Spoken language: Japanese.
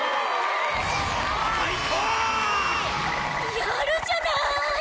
やるじゃない！